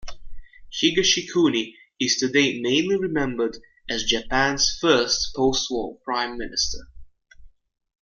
Higashikuni is today mainly remembered as Japan's first postwar prime minister.